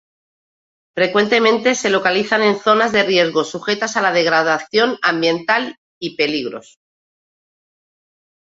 Frecuentemente se localizan en zonas de riesgo sujetas a la degradación ambiental y peligros.